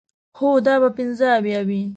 هو، دا به پنځه اویا وي.